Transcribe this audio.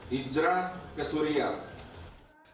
hijrah ke suriah